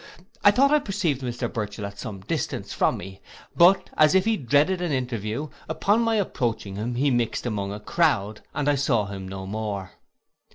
I thought I perceived Mr Burchell at some distance from me; but, as if he dreaded an interview, upon my approaching him, he mixed among a crowd, and I saw him no more.